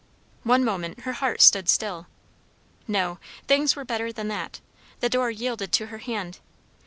One moment her heart stood still. No; things were better than that; the door yielded to her hand.